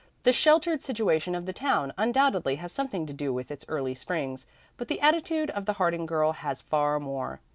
The sheltered situation of the town undoubtedly has something to do with its early springs, but the attitude of the Harding girl has far more.